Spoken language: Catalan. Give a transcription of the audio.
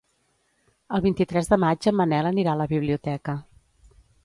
El vint-i-tres de maig en Manel anirà a la biblioteca.